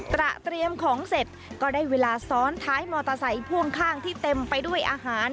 ตระเตรียมของเสร็จ